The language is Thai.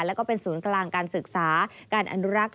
แล้วก็เป็นศูนย์กลางการศึกษาการอนุรักษ์